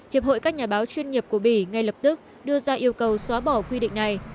hiệp hội các nhà báo chuyên nghiệp của bỉ ngay lập tức đưa ra yêu cầu xóa bỏ quy định này